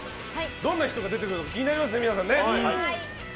どんな人が出てくるのか気になりますね、皆さん。